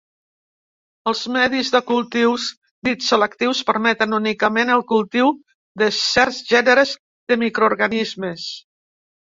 Els medis de cultius dits selectius permeten únicament el cultiu de certs gèneres de microorganismes.